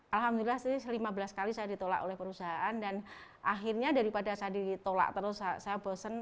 alhamdulillah sih lima belas kali saya ditolak oleh perusahaan dan akhirnya daripada saya ditolak terus saya bosen